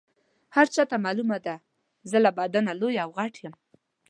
هر چاته معلومه ده زه له بدنه لوی او غټ یم.